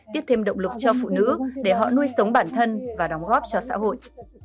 tiếp thêm động lực cho phụ nữ để họ nuôi sống bản thân và đóng góp cho xã hội